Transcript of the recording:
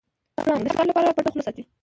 پړانګ د ښکار لپاره پټه خوله ساتي.